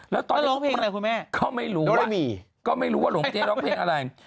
แล้วตอนนี้ก็ไม่รู้ว่าหลวงเจ๊ร้องเพลงอะไร